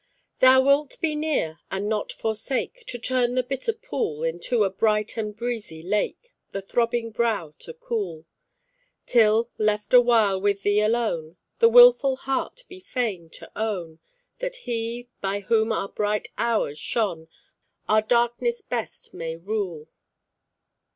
"Thou wilt be near, and not forsake, To turn the bitter pool Into a bright and breezy lake, The throbbing brow to cool; Till, left awhile with Thee alone, The wilful heart be fain to own That he, by whom our bright hours shone, Our darkness best may rule."